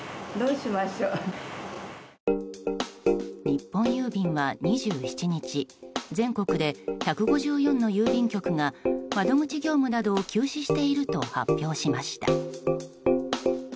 日本郵便は２７日全国で１５４の郵便局が窓口業務などを休止していると発表しました。